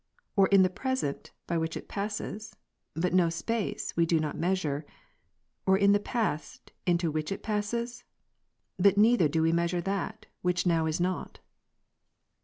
Or in the present, by which it passes ? but no space, we do not measure : or in the past, to which it passes ? But neither do we measure that, which now is not.